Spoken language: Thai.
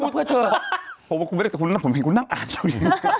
ผมเห็นคุณนั่งอ่านอยู่อย่างนี้